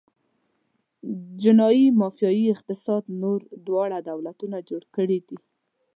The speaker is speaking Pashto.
جنايي مافیايي اقتصاد نور واړه دولتونه جوړ کړي دي.